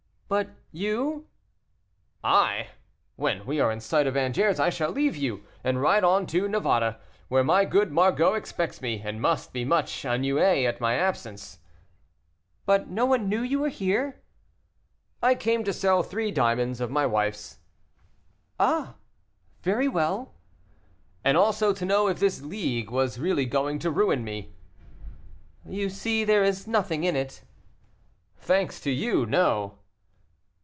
"But you?" "I! when we are in sight of Angers I shall leave you, and ride on to Navarre, where my good Margot expects me, and must be much ennuyée at my absence." "But no one knew you were here?" "I came to sell three diamonds of my wife's." "Ah! very well." "And also to know if this League was really going to ruin me." "You see there is nothing in it." "Thanks to you, no."